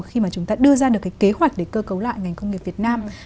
khi mà chúng ta đưa ra được cái kế hoạch để cơ cấu lại ngành công nghiệp việt nam